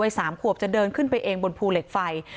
๓ขวบจะเดินขึ้นไปเองบนภูเหล็กไฟ